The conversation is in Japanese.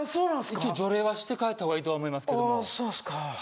一応除霊はして帰ったほうがいいとは思いますけどもああそうですか